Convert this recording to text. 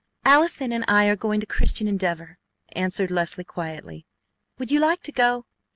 "Allison and I are going to Christian Endeavor," answered Leslie quietly. "Would you like to go?"